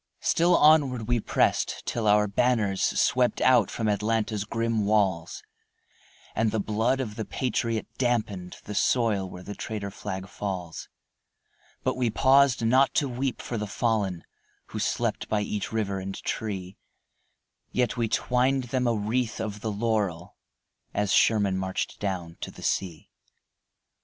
Still onward we pressed, till our banners Swept out from Atlanta's grim walls, And the blood of the patriot dampened The soil where the traitor flag falls; But we paused not to weep for the fallen, Who slept by each river and tree; Yet we twined them a wreath of the laurel As Sherman marched down to the sea.